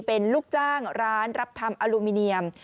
เป็นลูกจ้างร้านรับทำอลูมิเนียม